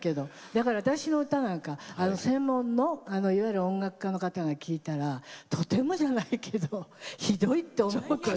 だから私の歌なんか専門のいわゆる音楽家の方が聴いたらとてもじゃないけどひどいって思うと思う。